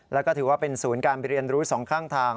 แล้วก็ถือว่าเป็นศูนย์การเรียนรู้สองข้างทาง